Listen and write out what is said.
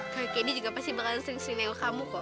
kak kendi juga pasti bakal sering sering nengok kamu kok